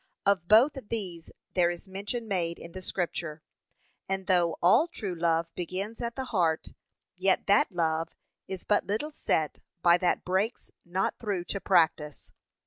Of both these there is mention made in the scripture; and though all true love begins at the heart, yet that love is but little set by that breaks not through to practice.